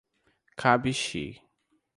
Cabixi